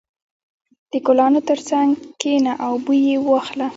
• د ګلانو تر څنګ کښېنه او بوی یې واخله.